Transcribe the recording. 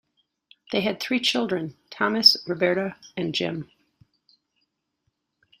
They had three children - Thomas, Roberta and Jim.